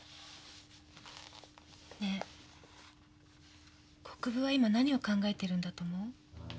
ねぇ国府は今何を考えてるんだと思う？